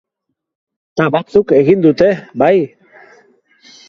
Ta batzuk egin dute, bai!